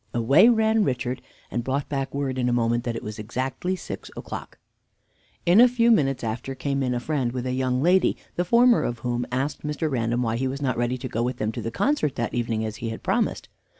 Away ran Richard, and brought back word in a moment that it was exactly six o'clock. In a few minutes after came in a friend with a young lady, the former of whom asked Mr. Random why he was not ready to go with them to the concert that evening, as he had promised.